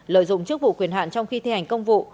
lợi dụng chức vụ quyền hạn trong khi thi hành công vụ